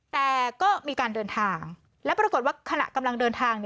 แต่ก็มีการเดินทางและปรากฏว่าขณะกำลังเดินทาง